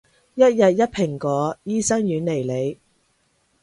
一日一蘋果，醫生遠離你